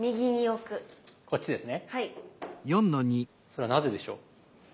それはなぜでしょう？